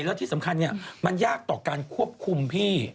แล้วที่สำคัญมันยากต่อการควบคุมพี่